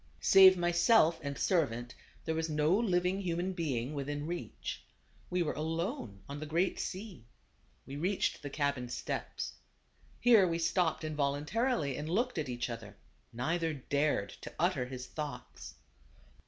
Save myself and servant there was no living human being within reach. We were alone on the great sea. We reached the cabin steps. Here we stopped in voluntarily, and looked at each other; neither dared to utter his thoughts.